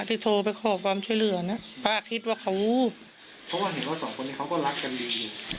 ที่โทรไปขอความช่วยเหลือนะป้าคิดว่าเขาเพราะว่าเห็นว่าสองคนนี้เขาก็รักกันดี